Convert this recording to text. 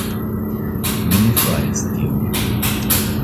Mi ne faris tion.